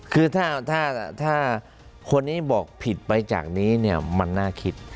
คือถ้าคนนี้บอกผิดไปจากนี้เนี่ยมันน่าคิด